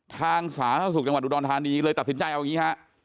สาธารณสุขจังหวัดอุดรธานีเลยตัดสินใจเอาอย่างนี้ฮะ